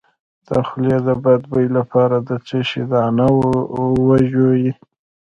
د خولې د بد بوی لپاره د څه شي دانه وژويئ؟